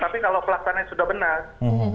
tapi kalau pelaksanaannya sudah benar gitu